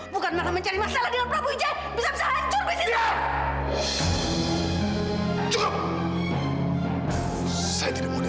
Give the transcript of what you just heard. bukan malah mencari masalah dengan prabu wijaya